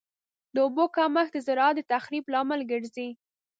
د اوبو کمښت د زراعت د تخریب لامل ګرځي.